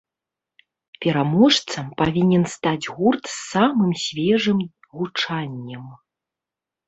Пераможцам павінен стаць гурт з самым свежым гучаннем.